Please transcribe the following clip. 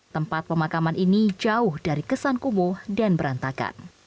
tempat pemakaman ini jauh dari kesan kumuh dan berantakan